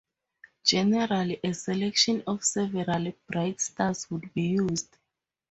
Generally, a selection of several bright stars would be used.